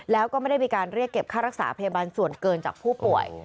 แล้วก็ไม่ได้มีการเรียกเก็บค่ารักษาพยาบาลส่วนเกินจากผู้ป่วย